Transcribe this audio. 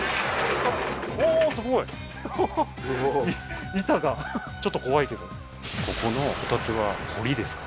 おおーすごいはははっ板がちょっと怖いけどここのこたつは掘りですか？